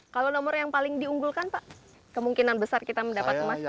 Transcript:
kalau nomor yang paling diunggulkan pak kemungkinan besar kita mendapat kemas itu ada